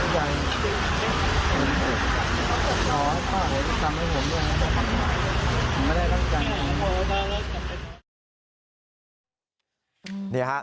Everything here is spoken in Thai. ขอบคุณครับ